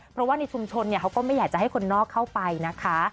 เพราะว่าในชุมชนเขาก็ไม่อยากจะให้คนนอกเข้าไปนะคะ